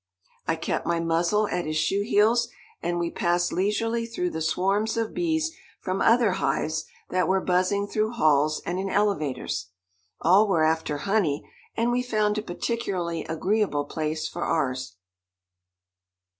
I kept my muzzle at his shoe heels, and we passed leisurely through the swarms of bees from other hives that were buzzing through halls and in elevators. All were after honey, and we found a particularly agreeable place for ours.